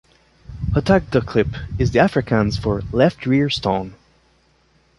'Hotagterklip' is the Afrikaans for 'left rear stone'.